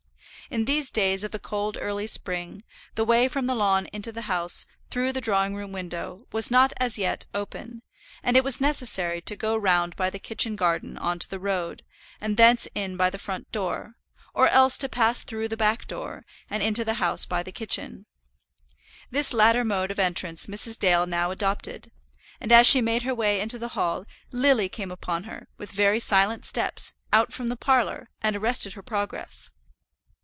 In these days of the cold early spring, the way from the lawn into the house, through the drawing room window, was not as yet open, and it was necessary to go round by the kitchen garden on to the road, and thence in by the front door; or else to pass through the back door, and into the house by the kitchen. This latter mode of entrance Mrs. Dale now adopted; and as she made her way into the hall Lily came upon her, with very silent steps, out from the parlour, and arrested her progress.